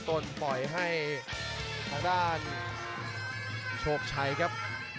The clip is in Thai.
ต้นปล่อยให้ทางด้านโชคชัยครับ